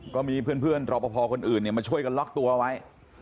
ก็มีเพื่อนรอปภคนอื่นมาช่วยกันล็อกตัวไว้